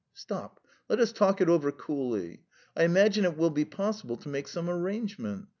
"Stop; let us talk it over coolly. I imagine it will be possible to make some arrangement.